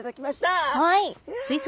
はい。